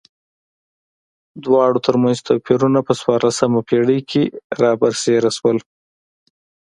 دواړو ترمنځ توپیرونه په څوارلسمه پېړۍ کې را برسېره شول.